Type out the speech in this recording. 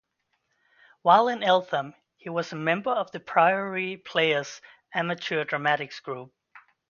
While in Eltham he was a member of the Priory Players amateur dramatics group.